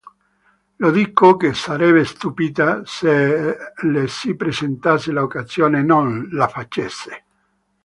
Io dico che sarebbe stupida se le si presentasse l'occasione e non la facesse.